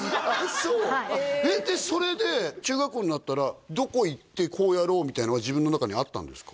そうえっでそれで中学校になったらどこ行ってこうやろうみたいなのは自分の中にあったんですか？